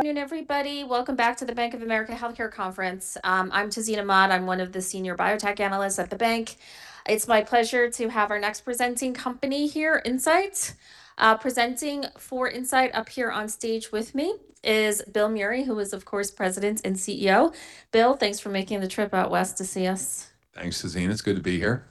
Good morning, everybody. Welcome back to the Bank of America Healthcare Conference. I'm Tazeen Ahmad. I'm one of the senior biotech analysts at the bank. It's my pleasure to have our next presenting company here, Incyte. Presenting for Incyte up here on stage with me is Bill Meury, who is of course President and CEO. Bill, thanks for making the trip out west to see us. Thanks, Tazeen. It's good to be here.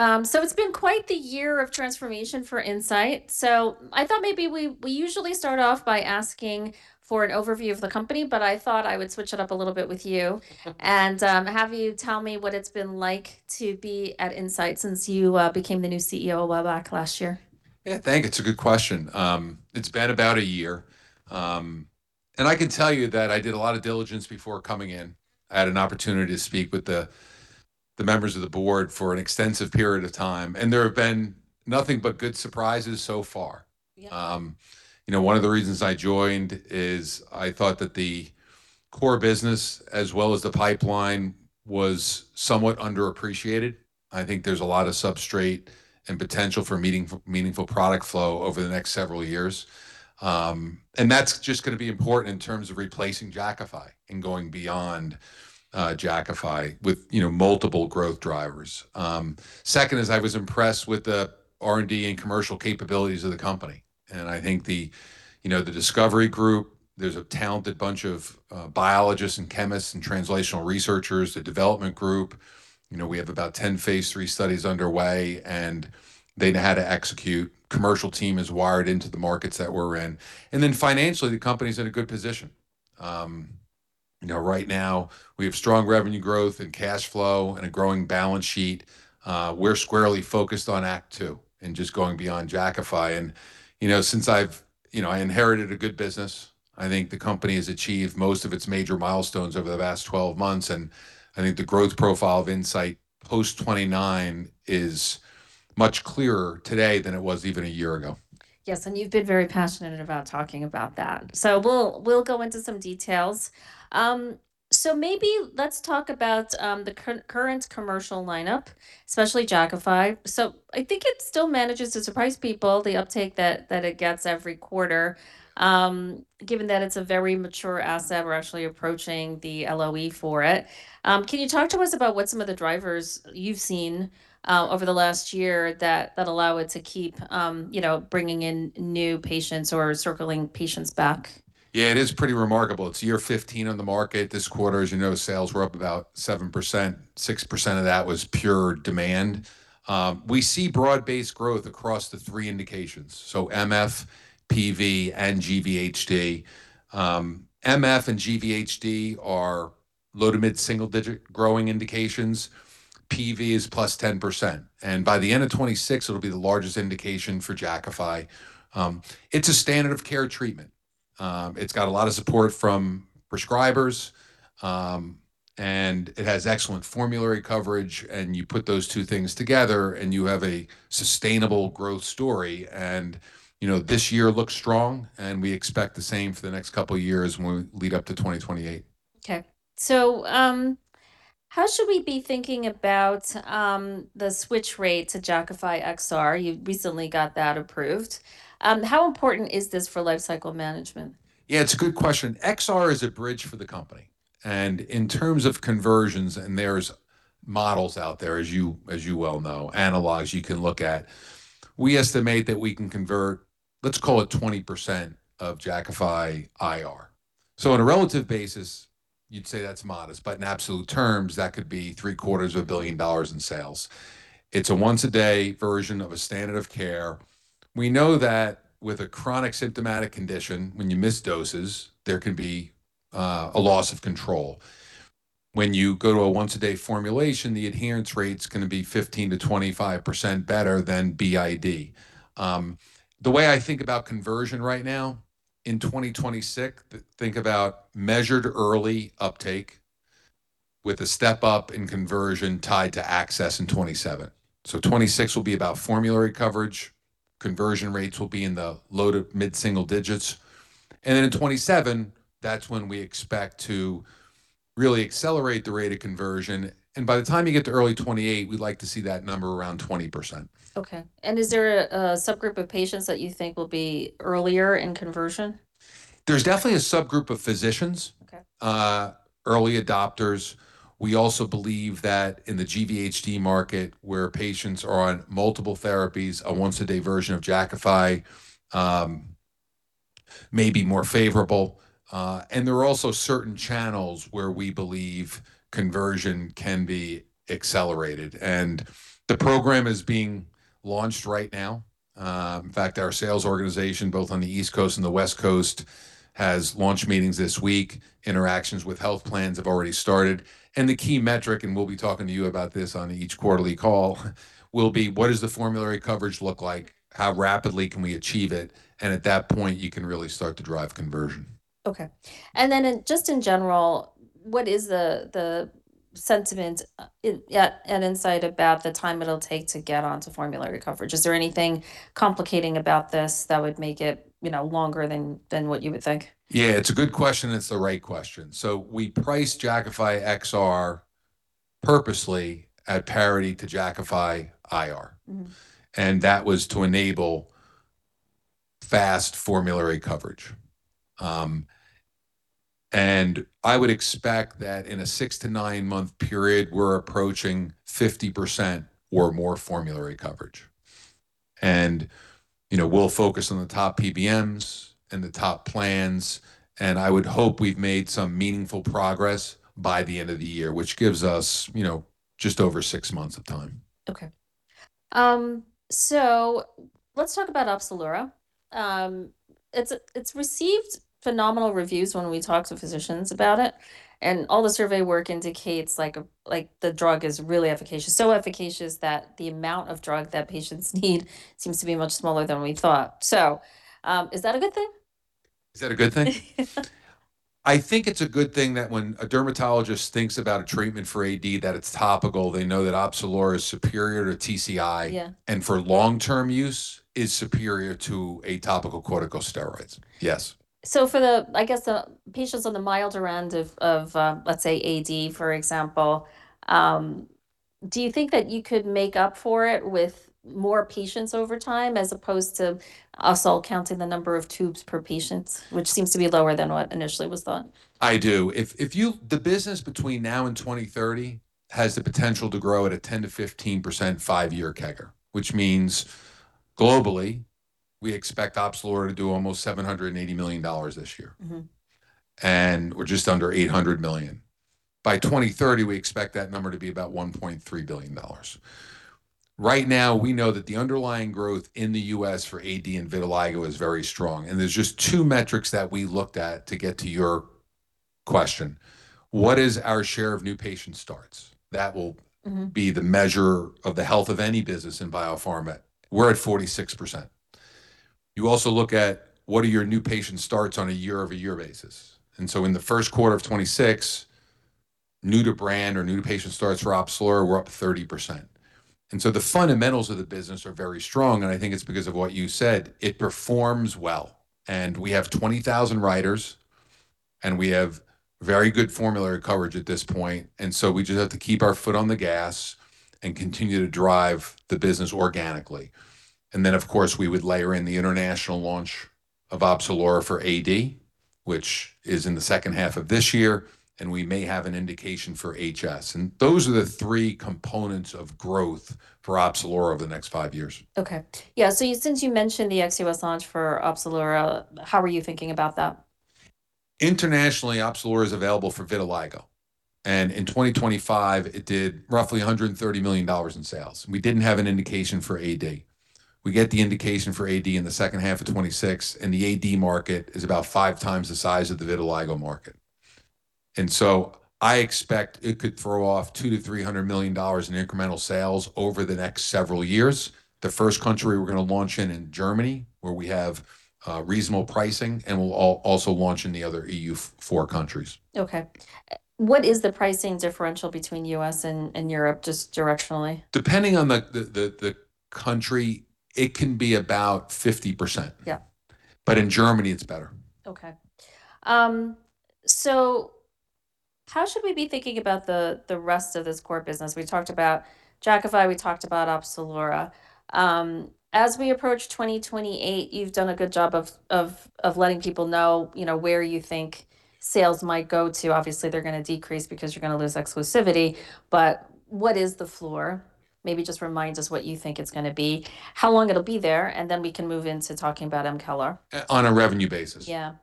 It's been quite the year of transformation for Incyte, so I thought maybe we usually start off by asking for an overview of the company, but I thought I would switch it up a little bit with you. Have you tell me what it's been like to be at Incyte since you became the new CEO a while back last year? Yeah, thank you. It's a good question. It's been about a year. I can tell you that I did a lot of diligence before coming in. I had an opportunity to speak with the members of the board for an extensive period of time. There have been nothing but good surprises so far. Yeah. You know, one of the reasons I joined is I thought that the core business as well as the pipeline was somewhat underappreciated. I think there's a lot of substrate and potential for meaningful product flow over the next several years. That's just gonna be important in terms of replacing Jakafi and going beyond Jakafi with, you know, multiple growth drivers. Second is I was impressed with the R&D and commercial capabilities of the company. I think the, you know, the discovery group, there's a talented bunch of biologists and chemists and translational researchers. The development group, you know, we have about 10 phase III studies underway. They know how to execute. Commercial team is wired into the markets that we're in. Financially, the company's in a good position. You know, right now we have strong revenue growth and cash flow and a growing balance sheet. We're squarely focused on act two and just going beyond Jakafi. You know, I inherited a good business. I think the company has achieved most of its major milestones over the past 12 months, and I think the growth profile of Incyte post 2029 is much clearer today than it was even a year ago. Yes, and you've been very passionate about talking about that. We'll go into some details. Maybe let's talk about the current commercial lineup, especially Jakafi. I think it still manages to surprise people, the uptake that it gets every quarter, given that it's a very mature asset. We're actually approaching the LOE for it. Can you talk to us about what some of the drivers you've seen over the last year that allow it to keep, you know, bringing in new patients or circling patients back? Yeah, it is pretty remarkable. It's year 15 on the market. This quarter, as you know, sales were up about 7%. 6% of that was pure demand. We see broad-based growth across the three indications, so MF, PV, and GVHD. MF and GVHD are low to mid-single digit growing indications. PV is +10%, and by the end of 2026 it'll be the largest indication for Jakafi. It's a standard of care treatment. It's got a lot of support from prescribers, it has excellent formulary coverage, you put those two things together and you have a sustainable growth story. You know, this year looks strong, and we expect the same for the next couple years when we lead up to 2028. Okay. How should we be thinking about the switch rate to Jakafi XR? You recently got that approved. How important is this for life cycle management? Yeah, it's a good question. XR is a bridge for the company, in terms of conversions, there's models out there as you, as you well know, analogs you can look at, we estimate that we can convert, let's call it, 20% of Jakafi IR. On a relative basis you'd say that's modest, but in absolute terms that could be $750 million in sales. It's a once-a-day version of a standard of care. We know that with a chronic symptomatic condition, when you miss doses, there can be a loss of control. When you go to a once-a-day formulation, the adherence rate's gonna be 15%-25% better than BID. The way I think about conversion right now, in 2026 think about measured early uptake with a step-up in conversion tied to access in 2027. 2026 will be about formulary coverage. Conversion rates will be in the low to mid-single digits. Then in 2027, that's when we expect to really accelerate the rate of conversion, and by the time you get to early 2028 we'd like to see that number around 20%. Okay. Is there a subgroup of patients that you think will be earlier in conversion? There's definitely a subgroup of physicians. Okay. Early adopters. We also believe that in the GVHD market, where patients are on multiple therapies, a once-a-day version of Jakafi may be more favorable. There are also certain channels where we believe conversion can be accelerated. The program is being launched right now. In fact, our sales organization, both on the East Coast and the West Coast, has launch meetings this week. Interactions with health plans have already started. The key metric, and we'll be talking to you about this on each quarterly call, will be what does the formulary coverage look like? How rapidly can we achieve it? At that point you can really start to drive conversion. Okay. In general, what is the sentiment at Incyte about the time it'll take to get onto formulary coverage? Is there anything complicating about this that would make it, you know, longer than what you would think? Yeah. It's a good question, and it's the right question. We priced Jakafi XR purposely at parity to Jakafi IR. That was to enable fast formulary coverage. I would expect that in a six to nine-month period, we're approaching 50% or more formulary coverage. You know, we'll focus on the top PBMs and the top plans, and I would hope we've made some meaningful progress by the end of the year, which gives us, you know, just over six months of time. Okay. Let's talk about OPZELURA. It's received phenomenal reviews when we talk to physicians about it, and all the survey work indicates, like, the drug is really efficacious. Efficacious that the amount of drug that patients need seems to be much smaller than we thought. Is that a good thing? Is that a good thing? I think it's a good thing that when a dermatologist thinks about a treatment for AD that it's topical, they know that OPZELURA is superior to TCI. Yeah. For long-term use, is superior to topical corticosteroids. Yes. For the, I guess, the patients on the milder end of AD, for example, do you think that you could make up for it with more patients over time as opposed to us all counting the number of tubes per patients, which seems to be lower than what initially was thought? I do. The business between now and 2030 has the potential to grow at a 10%-15% five-year CAGR, which means globally we expect OPZELURA to do almost $780 million this year. We're just under $800 million. By 2030, we expect that number to be about $1.3 billion. Right now, we know that the underlying growth in the U.S. for AD and vitiligo is very strong, and there's just two metrics that we looked at to get to your question. What is our share of new patient starts? That will be the measure of the health of any business in biopharma. We're at 46%. You also look at what are your new patient starts on a year-over-year basis. In the first quarter of 2026, new to brand or new to patient starts for OPZELURA were up 30%. The fundamentals of the business are very strong, and I think it's because of what you said. It performs well, and we have 20,000 writers, and we have very good formulary coverage at this point, and so we just have to keep our foot on the gas and continue to drive the business organically. Of course, we would layer in the international launch of OPZELURA for AD, which is in the second half of this year, and we may have an indication for HS. Those are the three components of growth for OPZELURA over the next five years. Okay. Yeah, since you mentioned the ex-U.S. launch for OPZELURA, how are you thinking about that? Internationally, OPZELURA is available for vitiligo, and in 2025, it did roughly $130 million in sales, and we didn't have an indication for AD. We get the indication for AD in the second half of 2026, the AD market is about 5x the size of the vitiligo market. I expect it could throw off $200 million-$300 million in incremental sales over the next several years. The first country we're going to launch in Germany, where we have reasonable pricing, and we'll also launch in the other E.U. four countries. Okay. What is the pricing differential between U.S. and Europe, just directionally? Depending on the country, it can be about 50%. Yeah. In Germany it's better. Okay. How should we be thinking about the rest of this core business? We talked about Jakafi, we talked about OPZELURA. As we approach 2028, you've done a good job of letting people know, you know, where you think sales might go to. Obviously, they're gonna decrease because you're gonna lose exclusivity, but what is the floor? Maybe just remind us what you think it's gonna be, how long it'll be there, and then we can move into talking about mCALR. On a revenue basis? Yeah.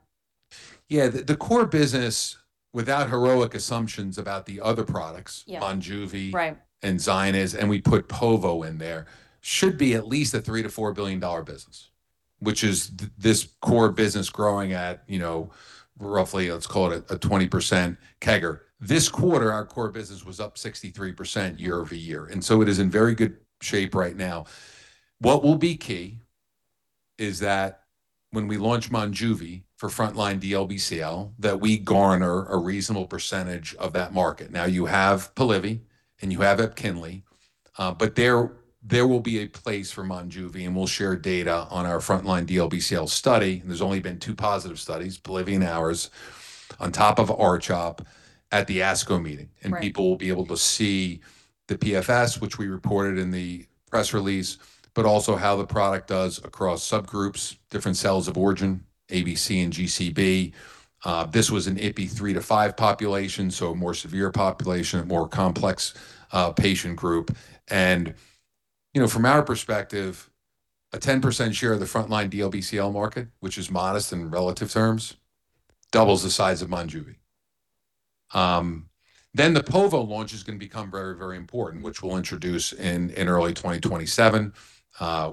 Yeah. The core business without heroic assumptions about the other products. Yeah MONJUVI- Right ZYNYZ, and we put povo in there, should be at least a $3 billion-$4 billion business, which is this core business growing at, you know, roughly, let's call it a 20% CAGR. This quarter, our core business was up 63% year-over-year. It is in very good shape right now. What will be key is that when we launch MONJUVI for frontline DLBCL, that we garner a reasonable percentage of that market. Now, you have POLIVY, and you have EPKINLY. There will be a place for MONJUVI. We'll share data on our frontline DLBCL study. There's only been two positive studies, POLIVY and ours, on top of R-CHOP at the ASCO meeting. Right. People will be able to see the PFS, which we reported in the press release, but also how the product does across subgroups, different cells of origin, ABC and GCB. This was an IPI 3-5 population, so a more severe population, a more complex patient group. You know, from our perspective, a 10% share of the frontline DLBCL market, which is modest in relative terms, doubles the size of MONJUVI. The povo launch is gonna become very, very important, which we'll introduce in early 2027.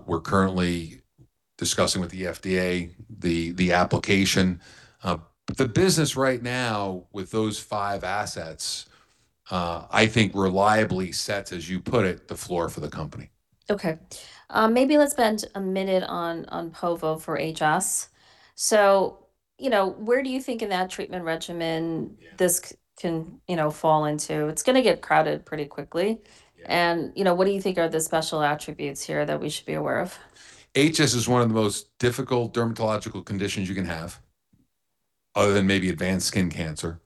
We're currently discussing with the FDA the application. The business right now with those five assets, I think reliably sets, as you put it, the floor for the company. Okay. Maybe let's spend a minute on povo for HS. You know, where do you think in that treatment regimen? Yeah This can, you know, fall into? It's gonna get crowded pretty quickly. Yeah. You know, what do you think are the special attributes here that we should be aware of? HS is one of the most difficult dermatological conditions you can have, other than maybe advanced skin cancer.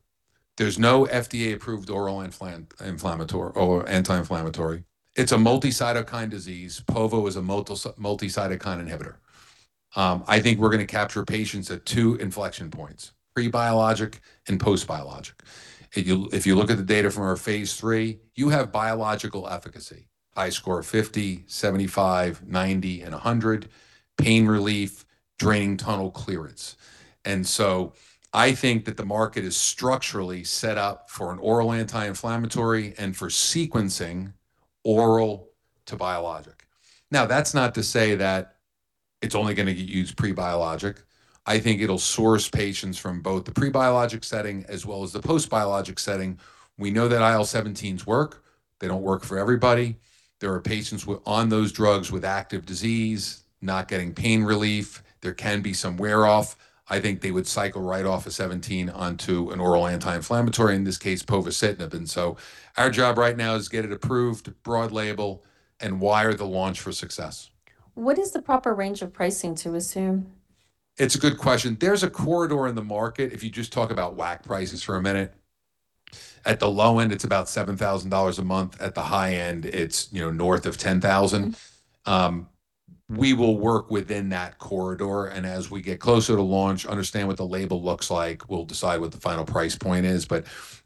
There's no FDA-approved oral inflammatory or anti-inflammatory. It's a multi-cytokine disease. POVO is a multi-cytokine inhibitor. I think we're gonna capture patients at two inflection points, pre-biologic and post-biologic. If you look at the data from our phase III, you have biological efficacy, HiSCR 50, 75, 90, and 100, pain relief, draining tunnel clearance. I think that the market is structurally set up for an oral anti-inflammatory and for sequencing oral to biologic. That's not to say that it's only gonna get used pre-biologic. I think it'll source patients from both the pre-biologic setting as well as the post-biologic setting. We know that IL-17s work. They don't work for everybody. There are patients on those drugs with active disease not getting pain relief. There can be some wear off. I think they would cycle right off IL-17s onto an oral anti-inflammatory, in this case povorcitinib. Our job right now is get it approved, broad label, and wire the launch for success. What is the proper range of pricing to assume? It's a good question. There's a corridor in the market, if you just talk about WAC prices for a minute. At the low end, it's about $7,000 a month. At the high end, it's, you know, north of $10,000. We will work within that corridor, and as we get closer to launch, understand what the label looks like, we'll decide what the final price point is.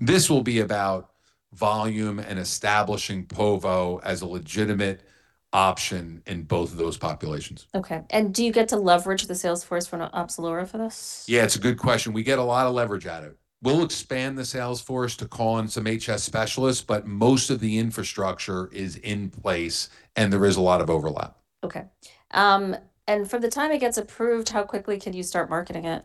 This will be about volume and establishing povo as a legitimate option in both of those populations. Okay. Do you get to leverage the sales force from OPZELURA for this? Yeah, it's a good question. We get a lot of leverage out of it. We'll expand the sales force to call in some HS specialists, but most of the infrastructure is in place, and there is a lot of overlap. Okay. From the time it gets approved, how quickly can you start marketing it?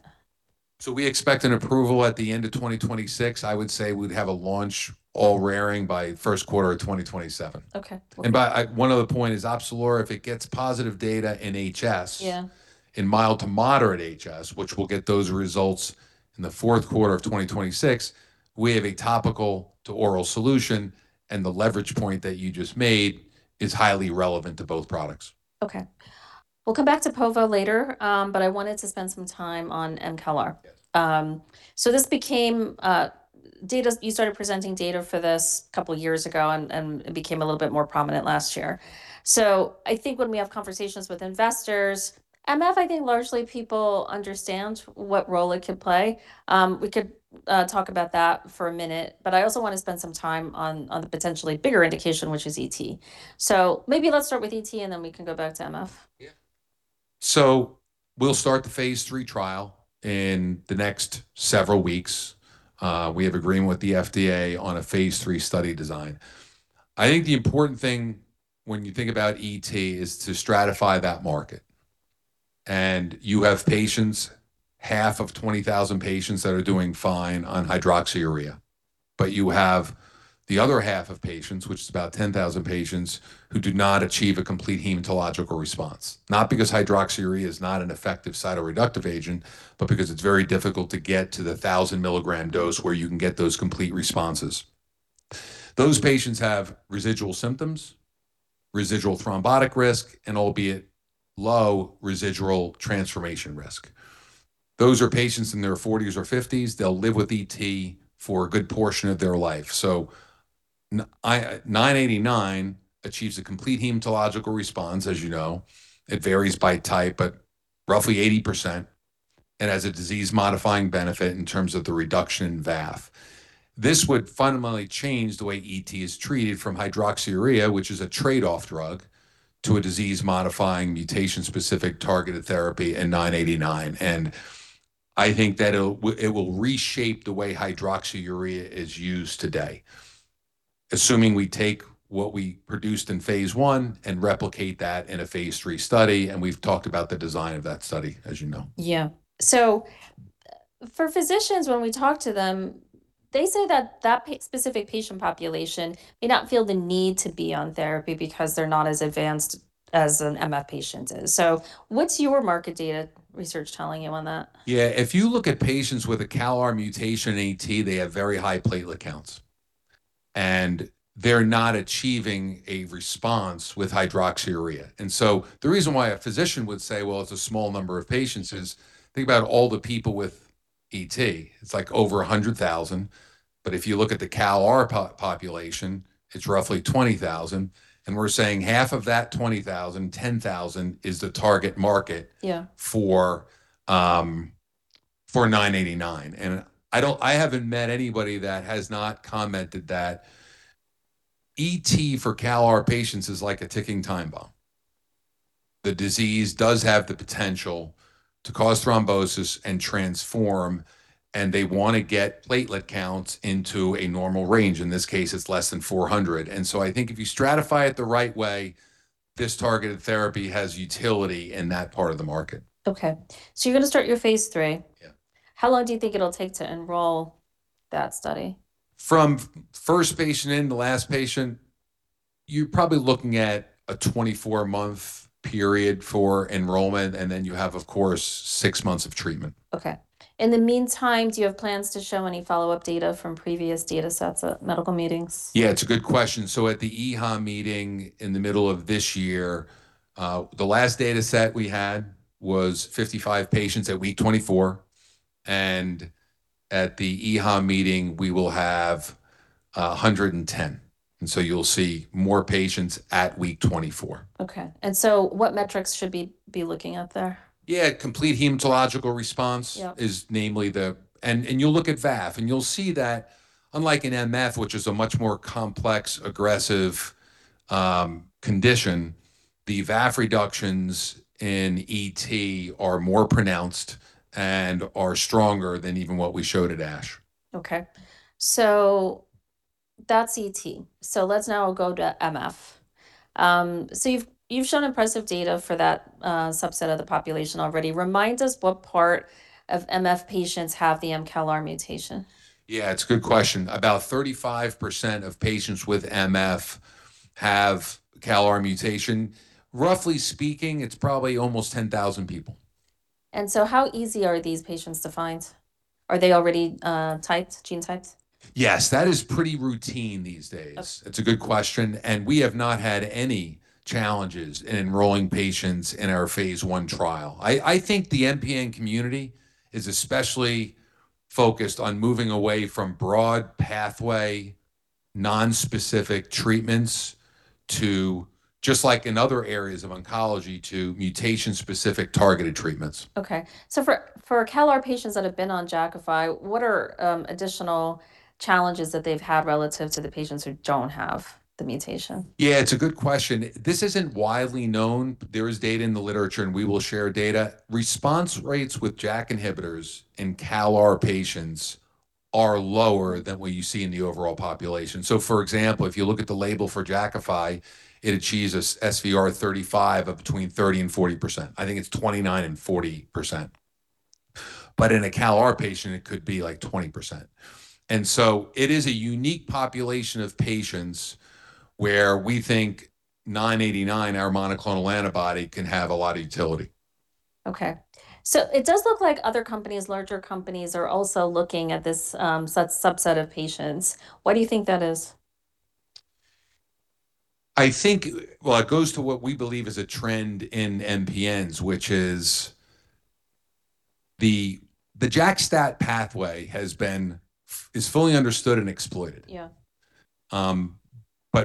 We expect an approval at the end of 2026. I would say we'd have a launch all raring by first quarter of 2027. Okay, cool. One other point is OPZELURA, if it gets positive data in HS. Yeah In mild to moderate HS, which we'll get those results in the fourth quarter of 2026, we have a topical to oral solution, and the leverage point that you just made is highly relevant to both products. Okay. We'll come back to POVO later, but I wanted to spend some time on mCALR. Yes. This became, You started presenting data for this a couple years ago, and it became a little bit more prominent last year. I think when we have conversations with investors, MF, I think largely people understand what role it could play. We could talk about that for a minute, I also wanna spend some time on the potentially bigger indication, which is ET. Maybe let's start with ET, and then we can go back to MF. Yeah. We'll start the phase III trial in the next several weeks. We have agreement with the FDA on a phase III study design. I think the important thing when you think about ET is to stratify that market. You have patients, half of 20,000 patients that are doing fine on hydroxyurea. You have the other half of patients, which is about 10,000 patients, who do not achieve a complete hematological response, not because hydroxyurea is not an effective cytoreductive agent, but because it's very difficult to get to the 1,000 mg dose where you can get those complete responses. Those patients have residual symptoms, residual thrombotic risk, and albeit low residual transformation risk. Those are patients in their 40s or 50s. They'll live with ET for a good portion of their life. INCA033989 achieves a complete hematological response, as you know. It varies by type, but roughly 80%. It has a disease modifying benefit in terms of the reduction in VAF. This would fundamentally change the way ET is treated from hydroxyurea, which is a trade-off drug, to a disease modifying mutation-specific targeted therapy in INCA033989. I think that it will reshape the way hydroxyurea is used today, assuming we take what we produced in phase I and replicate that in a phase III study, and we've talked about the design of that study, as you know. Yeah. For physicians, when we talk to them, they say that that specific patient population may not feel the need to be on therapy because they're not as advanced as an MF patient is. What's your market data research telling you on that? Yeah. If you look at patients with a CALR mutation ET, they have very high platelet counts, and they're not achieving a response with hydroxyurea. The reason why a physician would say, "Well, it's a small number of patients," is think about all the people with ET. It's like over 100,000. If you look at the CALR population, it's roughly 20,000. We're saying half of that 20,000, 10,000, is the target market. Yeah for 989. I haven't met anybody that has not commented that ET for CALR patients is like a ticking time bomb. The disease does have the potential to cause thrombosis and transform, and they wanna get platelet counts into a normal range. In this case, it's less than 400. I think if you stratify it the right way, this targeted therapy has utility in that part of the market. Okay. you're gonna start your phase III. Yeah. How long do you think it'll take to enroll that study? From first patient in to last patient, you're probably looking at a 24-month period for enrollment, and then you have, of course, six months of treatment. Okay. In the meantime, do you have plans to show any follow-up data from previous datasets at medical meetings? Yeah, it's a good question. At the EHA meeting in the middle of this year, the last data set we had was 55 patients at week 24, and at the EHA meeting we will have 110. You'll see more patients at week 24. Okay. What metrics should be looking at there? Yeah, complete hematological response. Yeah is namely the and you'll look at VAF, and you'll see that unlike in MF, which is a much more complex, aggressive, condition, the VAF reductions in ET are more pronounced and are stronger than even what we showed at ASH. Okay. That's ET. Let's now go to MF. You've shown impressive data for that subset of the population already. Remind us what part of MF patients have the CALR mutation. Yeah, it's a good question. About 35% of patients with MF have CALR mutation. Roughly speaking, it's probably almost 10,000 people. How easy are these patients to find? Are they already typed, gene typed? Yes. That is pretty routine these days. Okay. It's a good question. We have not had any challenges in enrolling patients in our phase I trial. I think the MPN community is especially focused on moving away from broad pathway, non-specific treatments to, just like in other areas of oncology, to mutation-specific targeted treatments. Okay. For CALR patients that have been on Jakafi, what are additional challenges that they've had relative to the patients who don't have the mutation? Yeah, it's a good question. This isn't widely known. There is data in the literature, and we will share data. Response rates with JAK inhibitors in CALR patients are lower than what you see in the overall population. For example, if you look at the label for Jakafi, it achieves a SVR35 of between 30%-40%. I think it's 29%-40%. In a CALR patient it could be, like, 20%. It is a unique population of patients where we think 989, our monoclonal antibody, can have a lot of utility. Okay. It does look like other companies, larger companies, are also looking at this subset of patients. Why do you think that is? I think, well, it goes to what we believe is a trend in MPNs, which is the JAK-STAT pathway is fully understood and exploited. Yeah.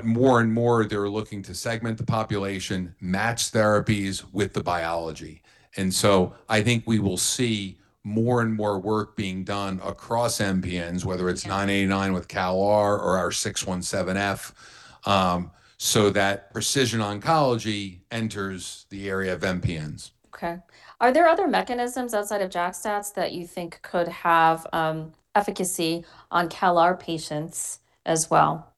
More and more they're looking to segment the population, match therapies with the biology. I think we will see more and more work being done across MPNs. Okay Whether it's 989 with CALR or our 617F, so that precision oncology enters the area of MPNs. Okay. Are there other mechanisms outside of JAK-STATs that you think could have efficacy on CALR patients as well?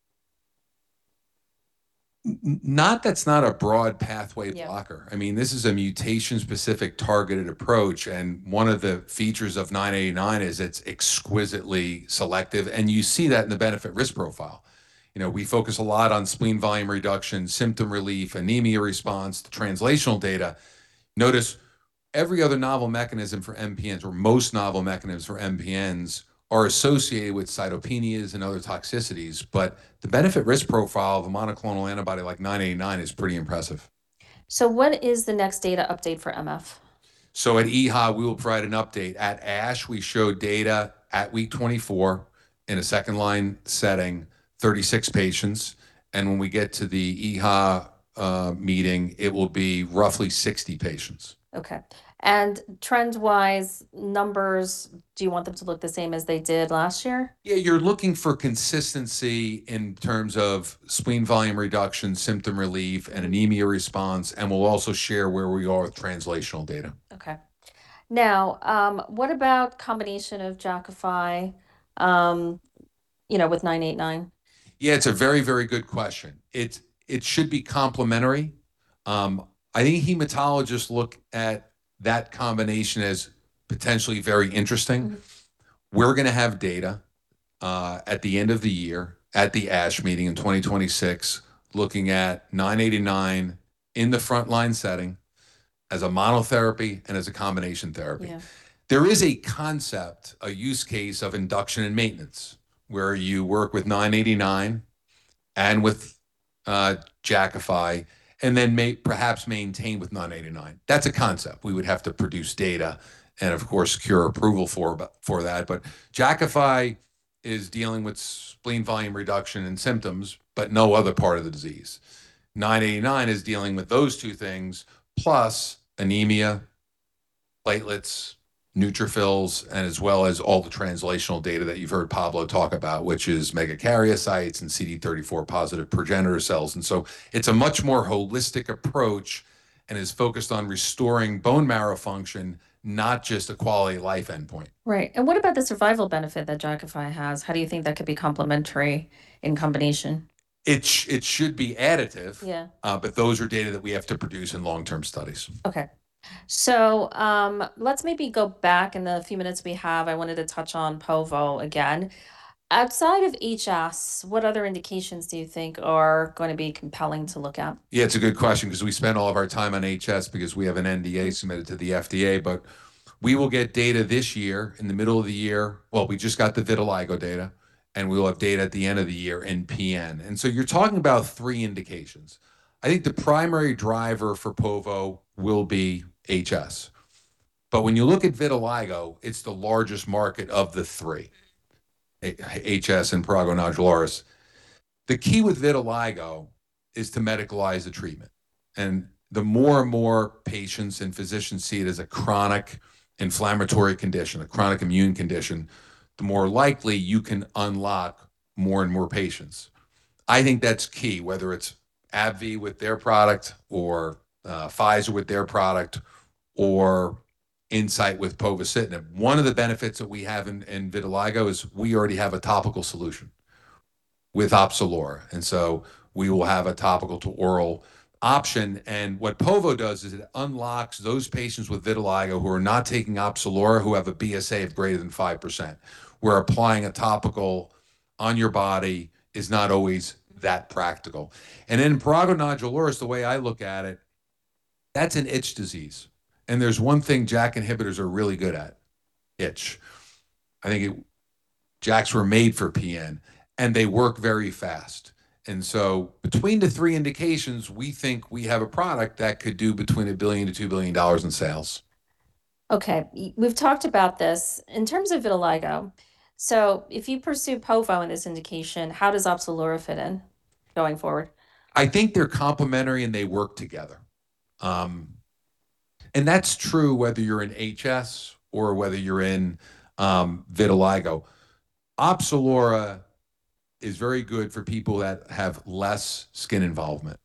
not that's not a broad pathway blocker. Yeah. I mean, this is a mutation-specific targeted approach, and one of the features of 989 is it's exquisitely selective, and you see that in the benefit/risk profile. You know, we focus a lot on spleen volume reduction, symptom relief, anemia response, the translational data. Notice every other novel mechanism for MPNs, or most novel mechanisms for MPNs, are associated with cytopenias and other toxicities, but the benefit/risk profile of a monoclonal antibody like 989 is pretty impressive. What is the next data update for MF? At EHA we will provide an update. At ASH we showed data at week 24 in a second line setting, 36 patients, and when we get to the EHA meeting, it will be roughly 60 patients. Okay. Trend-wise, numbers, do you want them to look the same as they did last year? Yeah, you're looking for consistency in terms of spleen volume reduction, symptom relief, and anemia response, and we'll also share where we are with translational data. Okay. Now, what about combination of Jakafi, you know, with 989? It's a very, very good question. It should be complementary. I think hematologists look at that combination as potentially very interesting. We're gonna have data at the end of the year at the ASH meeting in 2026, looking at 989 in the front-line setting as a monotherapy and as a combination therapy. Yeah. There is a concept, a use case of induction and maintenance, where you work with 989 and with Jakafi, and then perhaps maintain with 989. That's a concept. We would have to produce data and, of course, secure approval for that. Jakafi is dealing with spleen volume reduction and symptoms but no other part of the disease. 989 is dealing with those two things plus anemia, platelets, neutrophils, and as well as all the translational data that you've heard Pablo talk about, which is megakaryocytes and CD34 positive progenitor cells. It's a much more holistic approach and is focused on restoring bone marrow function, not just a quality of life endpoint. Right. What about the survival benefit that Jakafi has? How do you think that could be complementary in combination? It should be additive. Yeah Those are data that we have to produce in long-term studies. Okay. Let's maybe go back in the few minutes we have, I wanted to touch on POVO again. Outside of HS, what other indications do you think are gonna be compelling to look at? Yeah, it's a good question, 'cause we spent all of our time on HS because we have an NDA submitted to the FDA. We will get data this year in the middle of the year. Well, we just got the vitiligo data. We'll have data at the end of the year in PN. You're talking about three indications. I think the primary driver for povor will be HS. When you look at vitiligo, it's the largest market of the three, HS and prurigo nodularis. The key with vitiligo is to medicalize the treatment, and the more and more patients and physicians see it as a chronic inflammatory condition, a chronic immune condition, the more likely you can unlock more and more patients. I think that's key, whether it's AbbVie with their product or Pfizer with their product, or Incyte with povorcitinib. One of the benefits that we have in vitiligo is we already have a topical solution with OPZELURA. We will have a topical to oral option. What povo does is it unlocks those patients with vitiligo who are not taking OPZELURA, who have a BSA of greater than 5%, where applying a topical on your body is not always that practical. In prurigo nodularis, the way I look at it, that's an itch disease. There's one thing JAK inhibitors are really good at, itch. I think JAKs were made for PN, and they work very fast. Between the three indications, we think we have a product that could do between $1 billion to $2 billion in sales. Okay. We've talked about this. In terms of vitiligo, if you pursue povo in this indication, how does OPZELURA fit in going forward? I think they're complementary and they work together. That's true whether you're in HS or whether you're in vitiligo. OPZELURA is very good for people that have less skin involvement.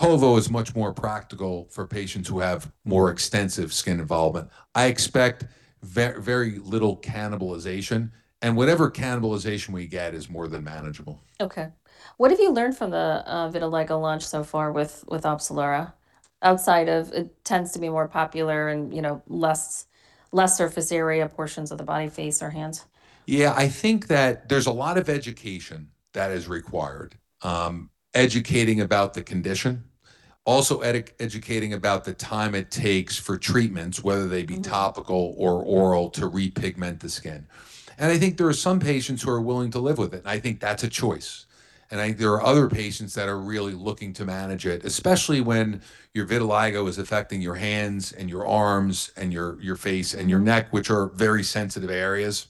povo is much more practical for patients who have more extensive skin involvement. I expect very little cannibalization, and whatever cannibalization we get is more than manageable. Okay. What have you learned from the vitiligo launch so far with OPZELURA, outside of it tends to be more popular and, you know, less, less surface area portions of the body, face or hands? Yeah. I think that there's a lot of education that is required. Educating about the condition, also educating about the time it takes for treatments. whether they be topical or oral, to repigment the skin. I think there are some patients who are willing to live with it, and I think that's a choice. I think there are other patients that are really looking to manage it, especially when your vitiligo is affecting your hands and your arms and your face and your neck, which are very sensitive areas.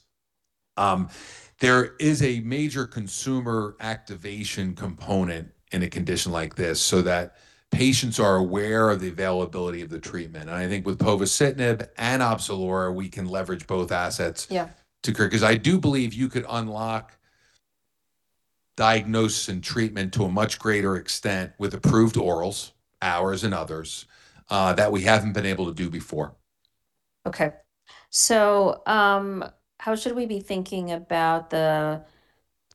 There is a major consumer activation component in a condition like this, so that patients are aware of the availability of the treatment. I think with povorcitinib and OPZELURA, we can leverage both assets. Yeah. to care, 'cause I do believe you could unlock diagnosis and treatment to a much greater extent with approved orals, ours and others, that we haven't been able to do before. Okay. How should we be thinking about the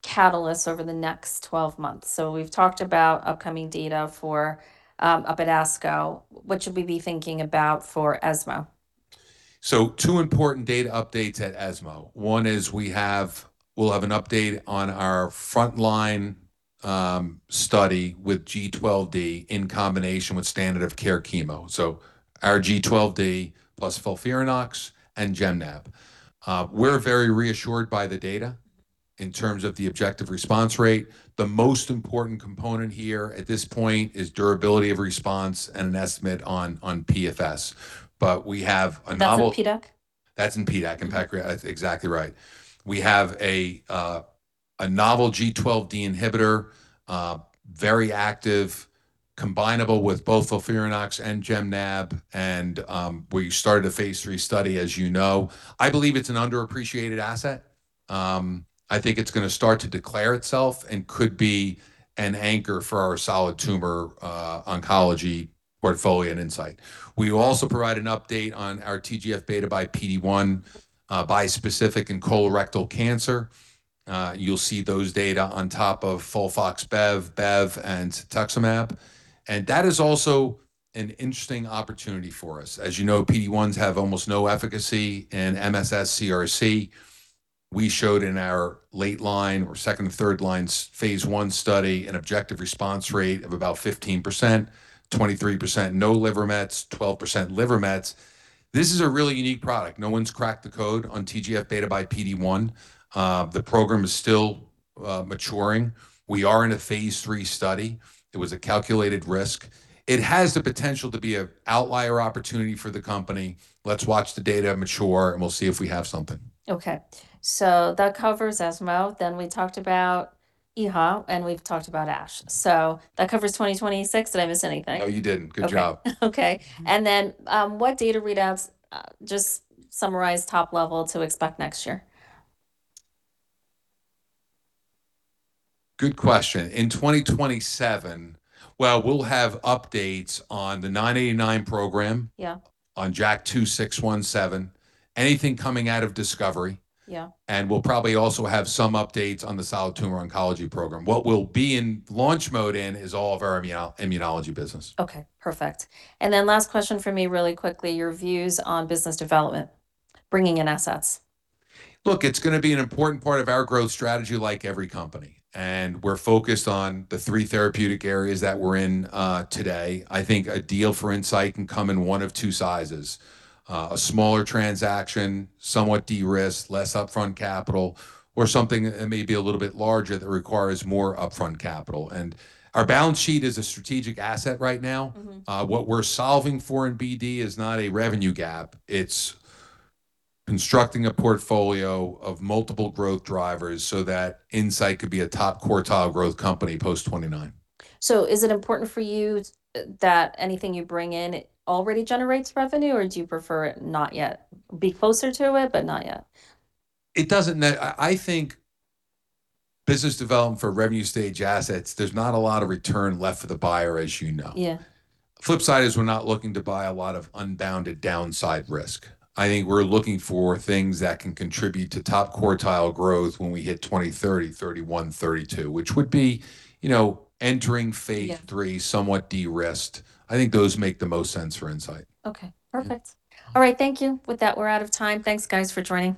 catalysts over the next 12 months? We've talked about upcoming data for up at ASCO. What should we be thinking about for ESMO? Two important data updates at ESMO. One is we'll have an update on our frontline study with G12D in combination with standard of care chemo. Our G12D plus FOLFIRINOX and gemcitabine and nab-paclitaxel. We're very reassured by the data in terms of the objective response rate. The most important component here at this point is durability of response and an estimate on PFS. That's in PDAC? That's in PDAC, in pancreatic. That's exactly right. We have a novel G12D inhibitor, very active, combinable with both FOLFIRINOX and gemnab, we started a phase III study, as you know. I believe it's an underappreciated asset. I think it's gonna start to declare itself and could be an anchor for our solid tumor oncology portfolio at Incyte. We also provide an update on our TGF beta/PD-1 bispecific in colorectal cancer. You'll see those data on top of FOLFOX, Bev and cetuximab, that is also an interesting opportunity for us. As you know, PD-1s have almost no efficacy in MSS CRC. We showed in our late line or second and third lines phase I study an objective response rate of about 15%, 23% no liver mets, 12% liver mets. This is a really unique product. No one's cracked the code on TGF beta/PD-1. The program is still maturing. We are in a phase III study. It was a calculated risk. It has the potential to be a outlier opportunity for the company. Let's watch the data mature, and we'll see if we have something. Okay. That covers ESMO, we talked about EHA, we've talked about ASH. That covers 2026. Did I miss anything? No, you didn't. Good job. Okay. Okay. What data readouts, just summarize top level to expect next year? Good question. In 2027, well, we'll have updates on the 989 program. Yeah on jak2 v617F, anything coming out of discovery. Yeah. We'll probably also have some updates on the solid tumor oncology program. What we'll be in launch mode in is all of our immunology business. Okay. Perfect. Last question from me really quickly, your views on business development, bringing in assets. Look, it's gonna be an important part of our growth strategy like every company, and we're focused on the three therapeutic areas that we're in today. I think a deal for Incyte can come in one of two sizes, a smaller transaction, somewhat de-risked, less upfront capital, or something that may be a little bit larger that requires more upfront capital. Our balance sheet is a strategic asset right now. What we're solving for in BD is not a revenue gap. It's constructing a portfolio of multiple growth drivers so that Incyte could be a top quartile growth company post 2029. Is it important for you that anything you bring in already generates revenue, or do you prefer it not yet? Be closer to it, but not yet. I think business development for revenue stage assets, there's not a lot of return left for the buyer, as you know. Yeah. Flip side is we're not looking to buy a lot of unbounded downside risk. I think we're looking for things that can contribute to top quartile growth when we hit 2030, 2031, 2032, which would be, you know, entering phase III. Yeah. Somewhat de-risked. I think those make the most sense for Incyte. Okay. Perfect. All right. Thank you. With that, we're out of time. Thanks guys for joining us.